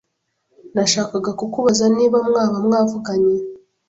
Nashakaga kukubaza niba mwaba mwavuganye